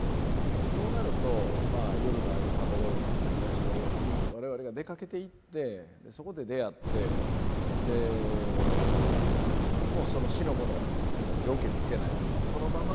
そうなると夜のああいうパトロールとか炊き出しのように我々が出かけていってそこで出会ってでもう四の五の条件つけないそのまま抱き留める。